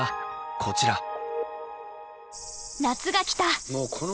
夏が来た！